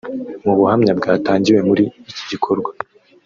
Mubuhamya bwatangiwe muri iki gikorwa